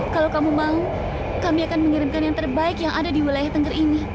kalau kamu mau kami akan mengirimkan yang terbaik yang ada di wilayah tengger ini